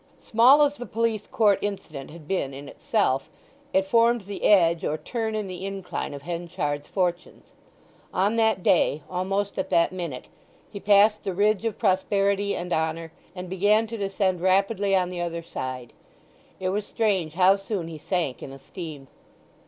Small as the police court incident had been in itself, it formed the edge or turn in the incline of Henchard's fortunes. On that day—almost at that minute—he passed the ridge of prosperity and honour, and began to descend rapidly on the other side. It was strange how soon he sank in esteem.